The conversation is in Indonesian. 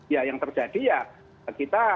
ya yang terjadi ya kita